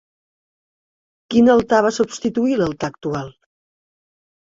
Quin altar va substituir l'altar actual?